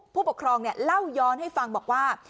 ผู้ปกครองเล่าย้อนให้ฟังบอกว่า